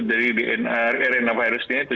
jadi rna virusnya itu